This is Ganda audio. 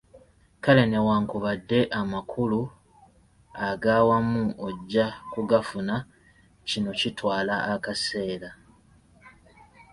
Kale newankubadde amakulu aga wamu ojja kugafuna, kino kitwala akaseera.